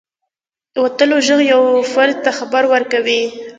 • د وتلو ږغ یو فرد ته خبر ورکوي.